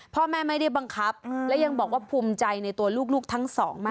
พ่อแม่ไม่ได้บังคับและยังบอกว่าภูมิใจในตัวลูกทั้งสองมาก